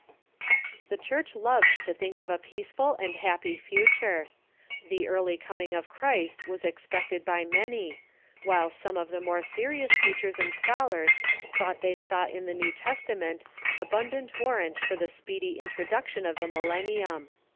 The Church loved to think of a peaceful and happy future. The early coming of Christ was expected by many, while some of the more serious teachers and scholars thought they saw in the New Testament abundant Avarrant for the speedy introduction of the millennium.